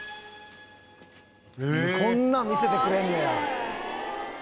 こんなん見せてくれんねや。